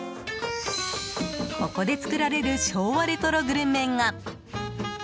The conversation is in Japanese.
ここで作られる昭和レトログルメが。